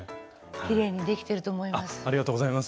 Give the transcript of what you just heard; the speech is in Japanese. きれいにできてると思います。